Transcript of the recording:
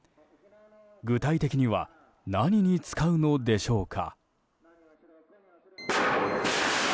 具体的には何に使うのでしょうか。